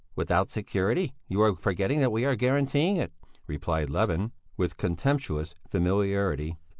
"Without security? You are forgetting that we are guaranteeing it," replied Levin, with contemptuous familiarity.